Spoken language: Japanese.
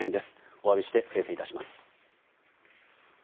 お詫びして訂正致します。